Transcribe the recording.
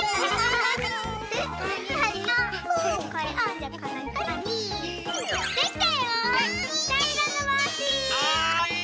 はい。